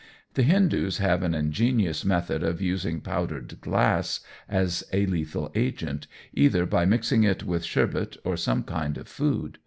The Hindoos have an ingenious method of using powdered glass as a lethal agent, either by mixing it with sherbet or some kind of food.